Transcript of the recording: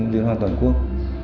liên hoàn toàn quốc